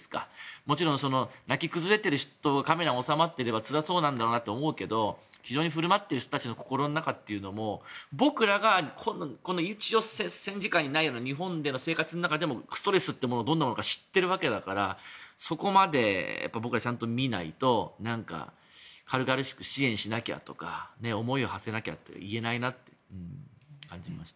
もちろん泣き崩れている人がカメラに収まっていればつらそうだなって思うんだけど気丈に振る舞ってる人たちの心の中というのも戦時下にない日本での生活の中でもストレスってどんなものなのか知っているわけだからそこまで僕ら、ちゃんと見ないと軽々しく、支援しなきゃとか思いを馳せなきゃとか言えないなって感じました。